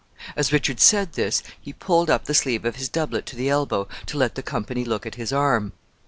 As Richard said this, he pulled up the sleeve of his doublet to the elbow, to let the company look at his arm.